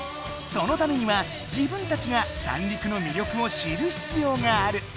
そのためには自分たちが三陸の魅力を知るひつようがある！